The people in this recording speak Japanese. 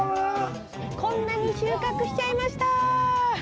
こんなに収穫しちゃいました。